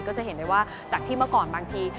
ก็จะเห็นได้ว่าจากที่เมื่อก่อนบางที